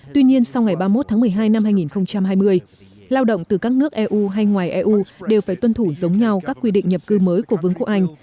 tuy nhiên sau ngày ba mươi một tháng một mươi hai năm hai nghìn hai mươi lao động từ các nước eu hay ngoài eu đều phải tuân thủ giống nhau các quy định nhập cư mới của vướng quốc anh